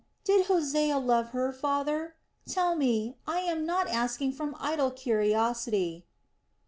did Hosea love her, father? Tell me; I am not asking from idle curiosity!"